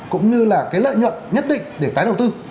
cũng như là cái lợi nhuận nhất định để tái đầu tư